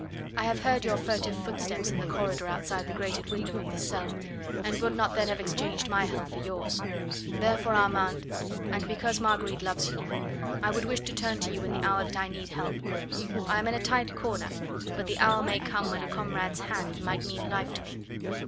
I have heard your furtive footsteps in the corridor outside the grated window of this cell, and would not then have exchanged my hell for yours. Therefore, Armand, and because Marguerite loves you, I would wish to turn to you in the hour that I need help. I am in a tight corner, but the hour may come when a comrade's hand might mean life to me.